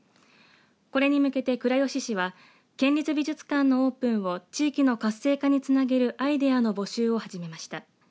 これに向けて倉吉市は県立美術館のオープンを地域の活性化につなげるアイデアの募集を始めました。